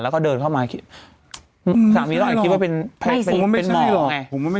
แล้วก็เดินเข้ามาคิดสามีเราอาจจะคิดว่าเป็นหมอกไง